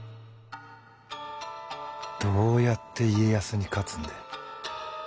どうやって家康に勝つんで？